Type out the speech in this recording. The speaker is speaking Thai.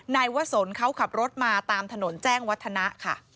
นายวะสนเขาขับรถมาตามถนนแจ้งวัฒนะค่ะ